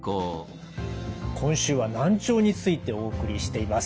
今週は難聴についてお送りしています。